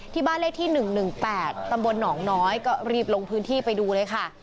ที่บ้านเลขที่๑๑๘ตำบลหนองน้อยก็รีบลงพื้นที่ไปดูเลยค่ะ